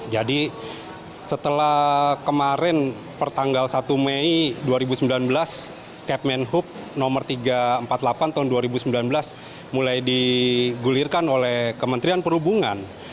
jadi setelah kemarin pertanggal satu mei dua ribu sembilan belas capman hub nomor tiga ratus empat puluh delapan tahun dua ribu sembilan belas mulai digulirkan oleh kementerian perhubungan